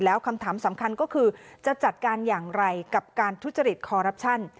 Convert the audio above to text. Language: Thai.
แล้วคำถามสำคัญก็คือจะจัดการอย่างไรกับการทุจริตคอรัปชั่น